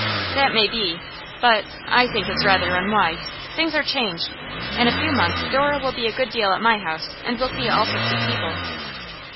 'That may be. But I think it's rather unwise. Things are changed. In a few months, Dora will be a good deal at my house, and will see all sorts of people.